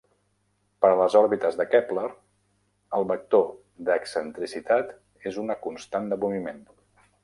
Per a les òrbites de Kepler, el vector d'excentricitat és una constant de moviment.